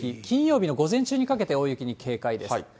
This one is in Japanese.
金曜日の午前中にかけて、大雪に警戒です。